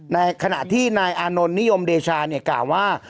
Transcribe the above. ในขณะที่นายอานนท์นิยมเดชาเนี่ยกล่าวว่า